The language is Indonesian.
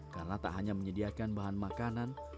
karena tak hanya menyediakan bahan makanan